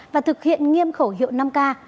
và thực hiện nghiêm khẩu hiệu năm k